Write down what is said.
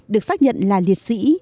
được xác nhận là liệt sĩ